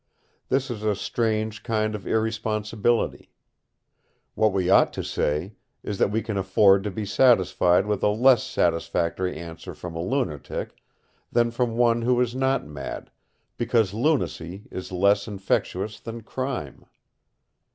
This is a strange kind of irresponsibility. What we ought to say is that we can afford to be satisfied with a less satisfactory answer from a lunatic than from one who is not mad, because lunacy is less infectious than crime.